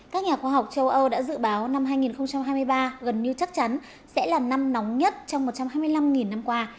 các nhà khoa học châu âu đã dự báo năm hai nghìn hai mươi ba gần như chắc chắn sẽ là năm nóng nhất trong một trăm hai mươi năm năm qua